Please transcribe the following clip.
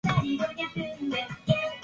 ここか